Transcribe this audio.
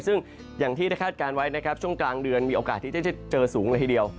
ซึ่งอย่างที่ได้คาดการณ์ไว้นะครับช่วงกลางเดือนมีโอกาสที่จะเจอสูงเลยทีเดียว